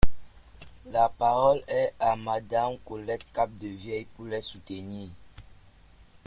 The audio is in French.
La parole est à Madame Colette Capdevielle, pour les soutenir.